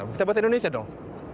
bisa bahasa indonesia dong